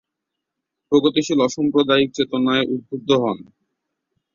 প্রগতিশীল অসাম্প্রদায়িক চেতনায় উদ্বুদ্ধ হন।